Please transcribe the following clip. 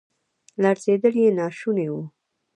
لړزیدل یې ناشوني وو.